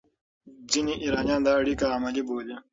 ځینې ایرانیان دا اړیکه عملي بولي.